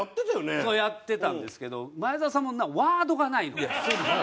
やってたんですけど前澤さんもワードがないので。